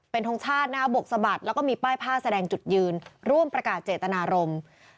ทงชาตินะฮะบกสะบัดแล้วก็มีป้ายผ้าแสดงจุดยืนร่วมประกาศเจตนารมณ์